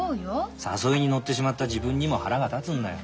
誘いに乗ってしまった自分にも腹が立つんだよ。